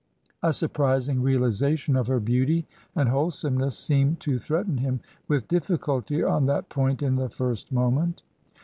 A surprising realization of her beauty and wholesomeness seemed to threaten him with difficulty on that point in the first moment.